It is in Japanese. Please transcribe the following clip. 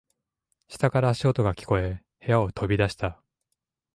下から足音が聞こえ、部屋を飛び出した。